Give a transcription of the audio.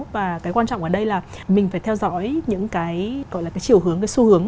và cái quan trọng ở đây là mình phải theo dõi những cái gọi là cái chiều hướng cái xu hướng